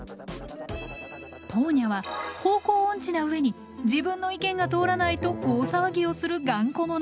トーニャは方向音痴な上に自分の意見が通らないと大騒ぎをする頑固者。